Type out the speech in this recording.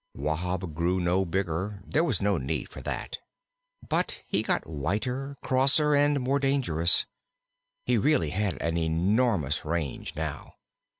Wahb grew no bigger, there was no need for that, but he got whiter, crosser, and more dangerous. He really had an enormous range now.